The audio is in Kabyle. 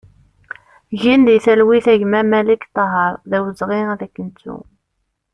Gen di talwit a gma Malek Tahaṛ, d awezɣi ad k-nettu!